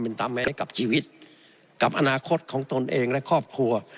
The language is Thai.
เป็นตามแม้กับชีวิตกับอนาคตของตนเองและครอบครัว